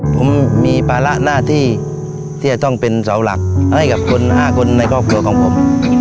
ผมมีภาระหน้าที่ที่จะต้องเป็นเสาหลักให้กับคน๕คนในครอบครัวของผม